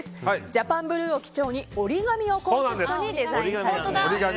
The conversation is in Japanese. ジャパンブルーを基調にＯＲＩＧＡＭＩをコンセプトにデザインされています。